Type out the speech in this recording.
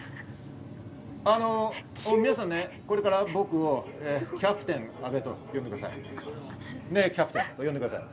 皆さん、これから僕をキャプテン阿部と呼んでください。